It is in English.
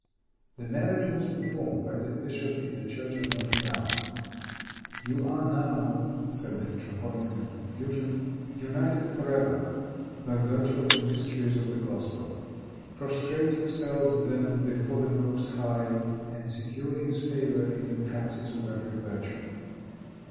The marriage was performed by the bishop in the church of Notre Dame. "You are now," said the metropolitan, in conclusion, "united for ever, by virtue of the mysteries of the gospel. Prostrate yourselves, then, before the Most High, and secure his favor by the practice of every virtue.